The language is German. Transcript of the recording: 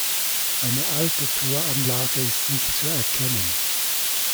Eine alte Toranlage ist nicht zu erkennen.